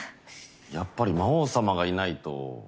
やっぱり魔王様がいないと。